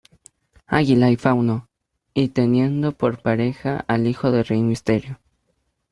Águila y Fauno, y teniendo por pareja al Hijo de Rey Mysterio.